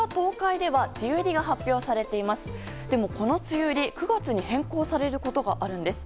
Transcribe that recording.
でも、この梅雨入り変更されることがあるんです。